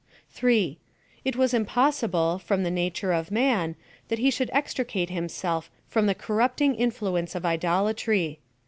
3. It was impossible, from the nature of man, that he should extricate himself from the corrupt ing influence of idolatry.